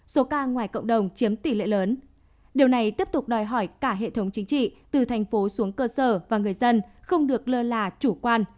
số ca ngoài cộng đồng chiếm tỷ lệ lớn điều này tiếp tục đòi hỏi cả hệ thống chính trị từ thành phố xuống cơ sở và người dân không được lơ là chủ quan